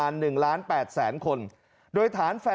ยูสัญญานะ